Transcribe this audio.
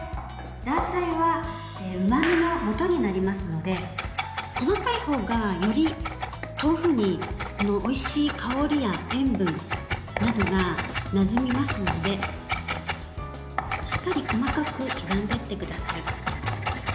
ザーサイはうまみのもとになりますので細かいほうがより豆腐においしい香りや塩分などがなじみますのでしっかり細かく刻んでいってください。